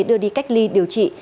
đưa đi cách ly điều trị